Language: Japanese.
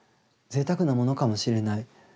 ぜいたくなものかもしれない。